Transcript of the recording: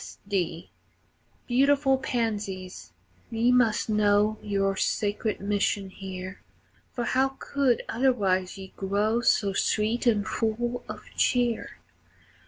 S. D. Beautiful pansies, ye must know Your sacred mission here, For how could otherwise ye grow So sweet and full of cheer?